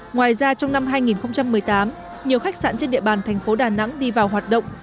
ngoài ra trong năm hai nghìn một mươi tám nhiều khách sạn trên địa bàn thành phố đà nẵng đi vào hoạt động